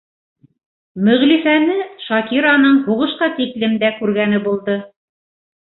Мөғлифәне Шакираның һуғышҡа тиклем дә күргәне булды.